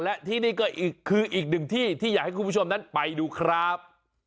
และที่นี่ก็คืออีกหนึ่งที่ที่อยากให้คุณผู้ชมนั้นไปดูครับ